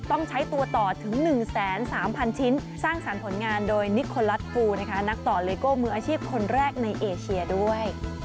ต้องใช้ตัวต่อถึง๑๓๐๐๐ชิ้นสร้างสรรค์ผลงานโดยนิโคลัสฟูนะคะนักต่อเลโก้มืออาชีพคนแรกในเอเชียด้วย